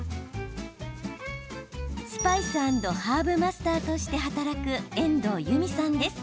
スパイスアンドハーブマスターとして働く、遠藤由美さんです。